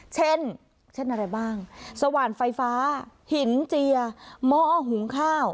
เช่นเช่นอะไรบ้างสว่านไฟฟ้าหินเจียหม้อหุงข้าว